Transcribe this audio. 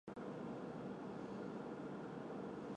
党和政府主办的媒体是党和政府的宣传阵地，必须姓党。